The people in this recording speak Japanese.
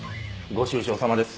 ご愁傷さまです。